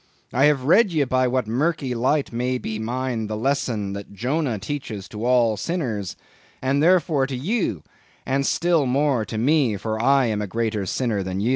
I have read ye by what murky light may be mine the lesson that Jonah teaches to all sinners; and therefore to ye, and still more to me, for I am a greater sinner than ye.